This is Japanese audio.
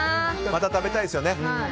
また食べたいですよね？